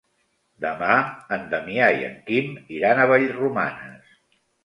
Demà en Damià i en Quim iran a Vallromanes.